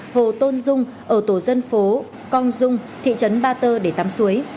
hồ tôn dung ở tổ dân phố con dung thị trấn ba tơ để tắm suối